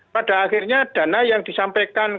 pada akhirnya dana yang disampaikan